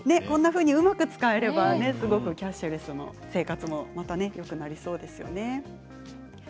このようにうまく使えればキャッシュレスも生活もよくなりそうですね。